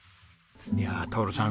いやあ徹さん